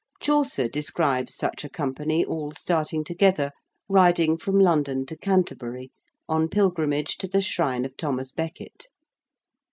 Chaucer describes such a company all starting together, riding from London to Canterbury on pilgrimage to the shrine of Thomas Becket.